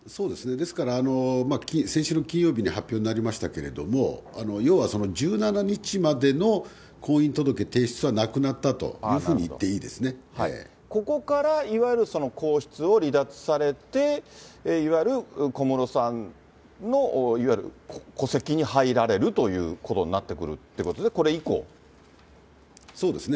ですから、先週の金曜日に発表になりましたけれども、要は１７日までの婚姻届提出はなくなったとふうに言っていいと思ここから、いわゆる皇室を離脱されて、いわゆる小室さんのいわゆる戸籍に入られるということになってくそうですね。